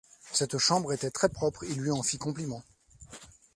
Cette chambre était très propre, il lui en fit compliment.